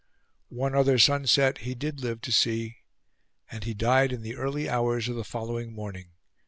One other sunset he did live to see; and he died in the early hours of the following morning.